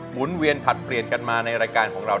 หนเวียนผลัดเปลี่ยนกันมาในรายการของเรา